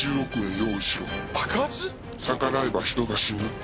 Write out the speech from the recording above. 「逆らえば人が死ぬ」